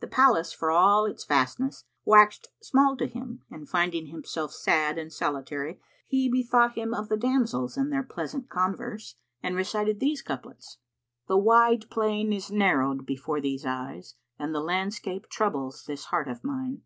The palace for all its vastness, waxed small to him and finding himself sad and solitary, he bethought him of the damsels and their pleasant converse and recited these couplets, "The wide plain is narrowed before these eyes * And the landscape troubles this heart of mine.